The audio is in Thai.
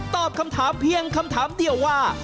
ตอบคำถามเพียงคำถามเดียวว่า